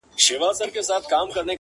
پېغلي نه نيسي د اوښو پېزوانونه؛